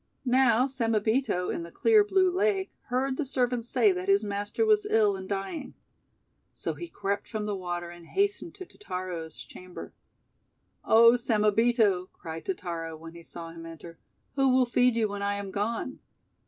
Now Samebito, in the clear blue lake, heard the servants say that his master was ill and dying. So he crept from the water and hastened to Totaro's chamber. :eOh, Samebito," cried Totaro, when he saw him enter, "who will feed you when I am gone?'